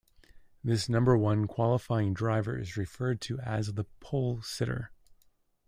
This number-one qualifying driver is referred to as the "pole sitter".